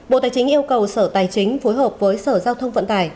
bộ tài chính yêu cầu sở tài chính phối hợp với sở giao thông vận tải